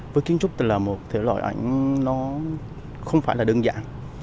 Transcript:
với kiến trúc là một loại ảnh nó không phải là đơn giản